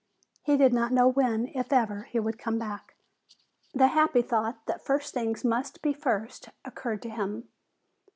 He did not know when, if ever, he would come back. The happy thought that first things must be first occurred to him.